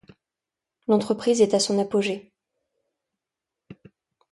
L’entreprise est à son apogée.